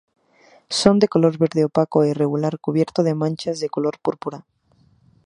Son de color verde opaco e irregular cubiertos de manchas de color púrpura.